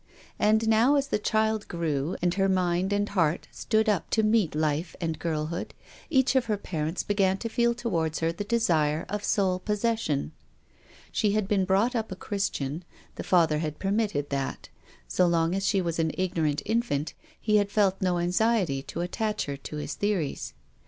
And now, as the child grew, and her mind and heart stood up to meet life and girl hood, each of her parents began to feel towards her the desire of sole possession. She had been brought up a Christian. The father had per mitted that. So long as she was an ignorant in fant he had felt no anxiety to attach her to his theories.